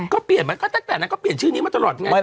ก็เปลี่ยนมาก็ตั้งแต่นั้นก็เปลี่ยนชื่อนี้มาตลอดไง